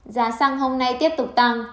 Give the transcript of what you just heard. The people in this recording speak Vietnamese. giá xăng hôm nay tiếp tục tăng